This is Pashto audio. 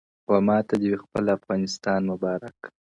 وماته دي وي خپل افغانستان مبارک